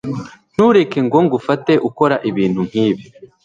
Ntureke ngo ngufate ukora ibintu nkibi.